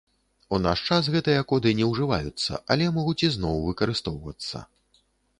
У наш час гэтыя коды не ўжываюцца, але могуць ізноў выкарыстоўвацца.